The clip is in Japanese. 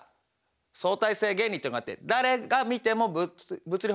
相対性原理っていうのがあって誰が見ても物理法則は同じ。